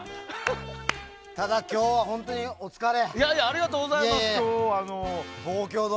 ただ今日、本当にお疲れ。